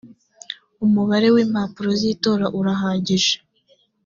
umubare w impapuro z itora urahagije